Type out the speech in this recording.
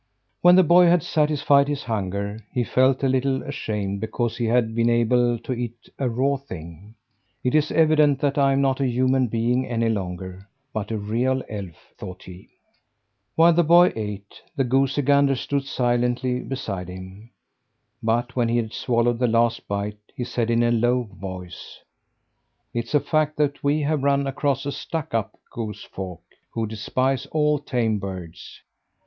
When the boy had satisfied his hunger, he felt a little ashamed because he had been able to eat a raw thing. "It's evident that I'm not a human being any longer, but a real elf," thought he. While the boy ate, the goosey gander stood silently beside him. But when he had swallowed the last bite, he said in a low voice: "It's a fact that we have run across a stuck up goose folk who despise all tame birds."